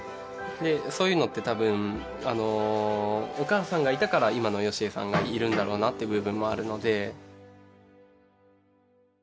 そういうのって多分お母さんがいたから今の好江さんがいるんだろうなっていう部分もあるので。